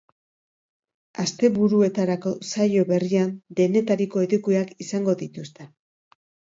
Asteburuetarako saio berrian denetariko edukiak izango dituzte.